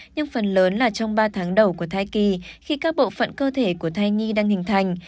nhưng phần lớn là trong ba tháng đầu của thai kỳ khi các bộ phận cơ thể của thai nhi đang hình thành